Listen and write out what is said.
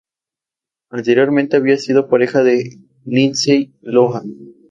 Anteriormente había sido pareja de Lindsay Lohan.